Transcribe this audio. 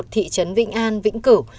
thị trấn vĩnh an vĩnh cửu